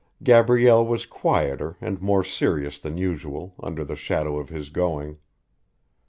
Gabrielle was quieter and more serious than usual, under the shadow of his going.